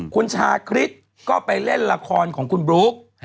คุณชาคริสก็ไปเล่นละครของคุณบลุ๊ก